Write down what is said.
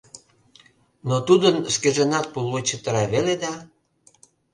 Но тудын шкенжынат пулвуй чытыра веле да.